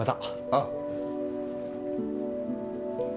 ああ。